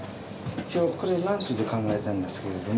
一応、これランチで考えたんですけれども。